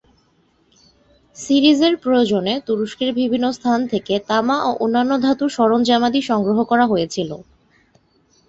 সিরিজের প্রয়োজনে তুরস্কের বিভিন্ন স্থান থেকে তামা ও অন্যান্য ধাতুর সরঞ্জামাদি সংগ্রহ করা হয়েছিলো।